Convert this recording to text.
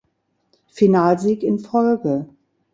Finalsieg in Folge.